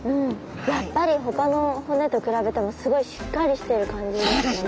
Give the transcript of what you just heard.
やっぱりほかの骨と比べてもすごいしっかりしてる感じですね。